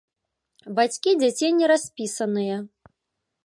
Бацькі дзяцей не распісаныя.